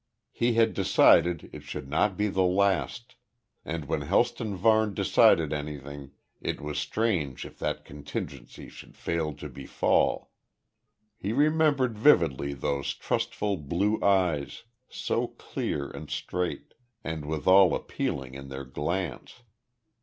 He had decided it should not be the last, and when Helston Varne decided anything, it was strange if that contingency should fail to befall. He remembered vividly those trustful blue eyes, so clear and straight, and withal appealing in their glance.